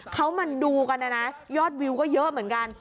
เขามาดูกันนะนะยอดวิวก็เยอะเหมือนกัน